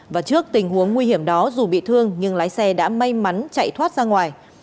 và trước tình huống nguy hiểm đó dù bị thương nhưng lái xe đã may mắn chạy thoát ra ngoài